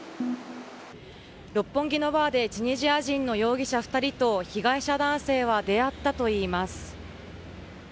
六本木のバーでチュニジア人の容疑者２人と被害者男性は出会ったといいます。